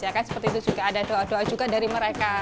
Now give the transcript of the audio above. ya kan seperti itu juga ada doa doa juga dari mereka